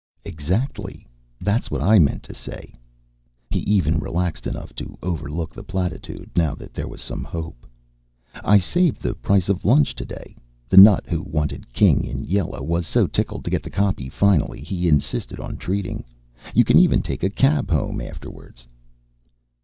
"Exactly. That's what I meant to say." He even relaxed enough to overlook the platitude, now that there was some hope. "I saved the price of lunch today. The nut who wanted King in Yellow was so tickled to get the copy finally, he insisted on treating. You can even take a cab home afterwards."